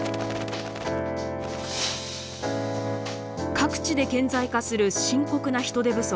各地で顕在化する深刻な人手不足。